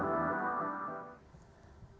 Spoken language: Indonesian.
tim liputan cnn indonesia